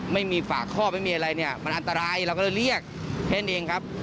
ไม่มีฝากข้อไม่มีอะไรเนี่ยมันอันตรายเราก็เลยเรียกแค่นั้นเองครับ